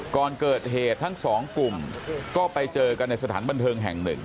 ก่อนเกิดเหตุทั้งสองกลุ่มก็ไปเจอกันในสถานบันเทิงแห่งหนึ่ง